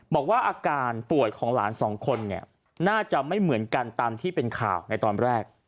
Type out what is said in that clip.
บอกว่าอาการป่วยของหลานสองคนเนี่ยน่าจะไม่เหมือนกันตามที่เป็นข่าวในตอนแรก